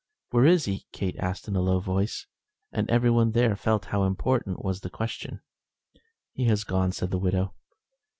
"Where is he?" Kate asked in a low voice, and everyone there felt how important was the question. "He has gone," said the widow.